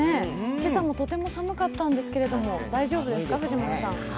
今朝もとても寒かったんですけれども大丈夫ですか、藤森さん？